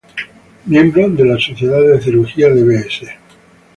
Miembro de la Sociedad de Cirugía de Bs.